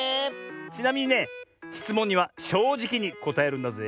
ちなみにねしつもんにはしょうじきにこたえるんだぜえ。